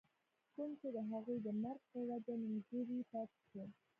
کوم چې َد هغوي د مرګ پۀ وجه نيمګري پاتې شو